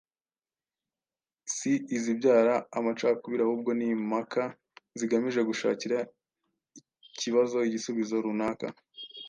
si izibyara amacakubiri ahubwo ni impaka zigamije gushakira ikibazo igisubizo runaka